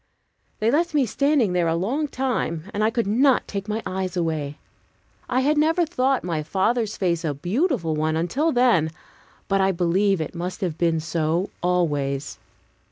They left me standing there a long time, and I could not take my eyes away. I had never thought my father's face a beautiful one until then, but I believe it must have been so, always.